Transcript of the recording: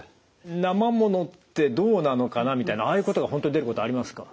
なまものってどうなのかなみたいなああいうことが本当に出ることありますか？